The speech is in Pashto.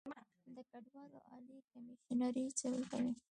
د کډوالو عالي کمیشنري څه کوي؟